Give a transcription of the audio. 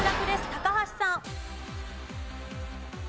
高橋さん。